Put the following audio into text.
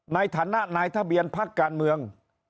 ในฐานะนายทะเบียนพักการเมือง